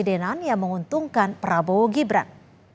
kepala kpu yang menguntungkan prabowo gibran